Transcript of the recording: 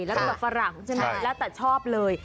และฝรั่งใช่ไหมและแต่ชอบเลย